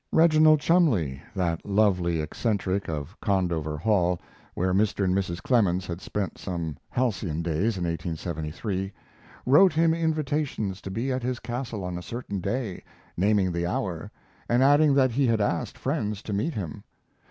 Reginald Cholmondeley, that lovely eccentric of Condover Hall, where Mr. and Mrs. Clemens had spent some halcyon days in 1873, wrote him invitations to be at his castle on a certain day, naming the hour, and adding that he had asked friends to meet him.